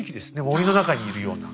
森の中にいるような。